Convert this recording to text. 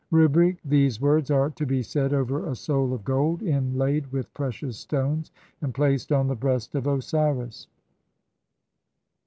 Rubric : [these] words are to be said over a soul of gold in laid WITH PRECIOUS STONES AND PLACED ON THE BREAST OF OSIRIS.